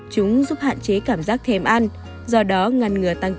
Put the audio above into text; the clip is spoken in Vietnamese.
chúng giúp hạn chế cảm giác thèm ăn do đó ngăn ngừa tăng cường